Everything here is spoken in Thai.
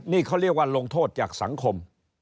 นี่เขาเรียกว่าลงโทษจากสังคม